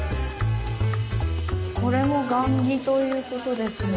これも雁木ということですね。